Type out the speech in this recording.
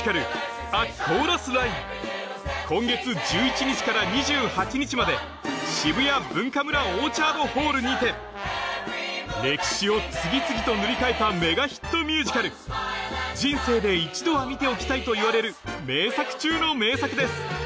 今月１１日から２８日まで渋谷Ｂｕｎｋａｍｕｒａオーチャードホールにて歴史を次々と塗り替えたメガヒットミュージカル人生で一度は見ておきたいといわれる名作中の名作です